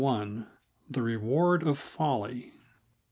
The Reward of Folly.